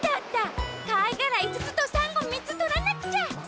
かいがらいつつとさんごみっつとらなくちゃ！